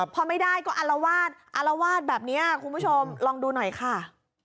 พอไม่ได้ก็อารวาสอารวาสแบบนี้คุณผู้ชมลองดูหน่อยค่ะ